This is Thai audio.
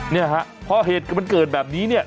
เนี่ยฮะพอเหตุมันเกิดแบบนี้เนี่ย